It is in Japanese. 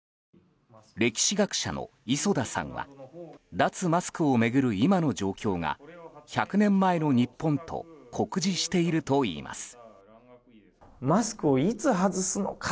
歴史学者の磯田さんは脱マスクを巡る今の状況が１００年前の日本と酷似しているといいます。